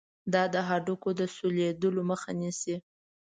دا د هډوکو د سولیدلو مخه نیسي.